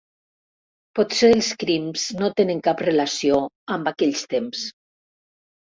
Potser els crims no tenen cap relació amb aquells temps.